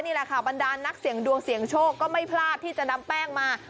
นี่แหละค่ะบรรดานนักเสี่ยงดวงเสี่ยงโชคก็ไม่พลาดที่จะนำแป้งมา